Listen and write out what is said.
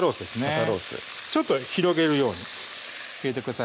ロースちょっと広げるように入れてください